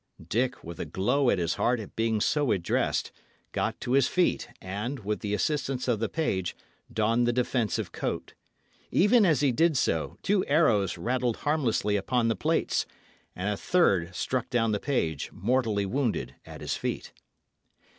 Dick, with a glow at his heart at being so addressed, got to his feet and, with the assistance of the page, donned the defensive coat. Even as he did so, two arrows rattled harmlessly upon the plates, and a third struck down the page, mortally wounded, at his feet.